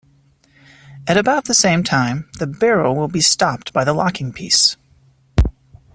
At about the same time, the barrel will be stopped by the locking piece.